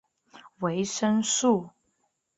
维生素。